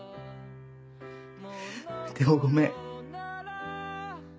でもごめん。